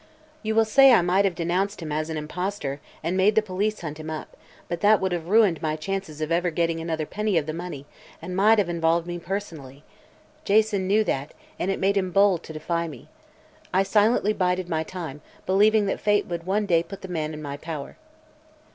"You will say I might have denounced him as an impostor and made the police hunt him up, but that would have ruined my chances of ever getting another penny of the money and might have involved me personally. Jason knew that, and it made him bold to defy me. I silently bided my time, believing that fate would one day put the man in my power.